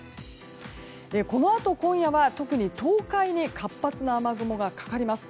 このあと今夜は特に東海に活発な雨雲がかかります。